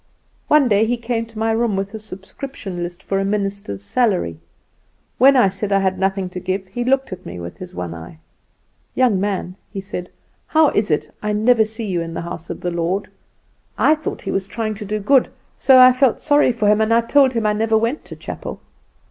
One day he came to my room with a subscription list for a minister's salary. When I said I had nothing to give he looked at me with his one eye. "'Young man,' he said, 'how is it I never see you in the house of the Lord?' I thought he was trying to do good, so I felt sorry for him, and I told him I never went to chapel.